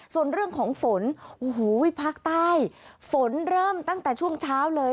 ส่วนเรื่องของฝนโอ้โหภาคใต้ฝนเริ่มตั้งแต่ช่วงเช้าเลย